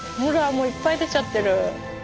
もういっぱい出ちゃってる。